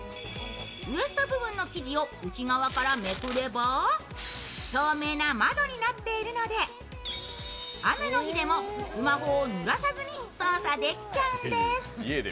ウエスト部分の生地を内側からめくれば透明な窓になっているので、雨の日でもスマホをぬらさずに操作できちゃうんです。